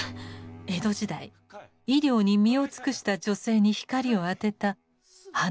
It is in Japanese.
江戸時代医療に身を尽くした女性に光を当てた「華岡青洲の妻」。